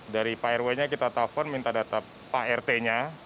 dari pak rw nya kita telepon minta data pak rt nya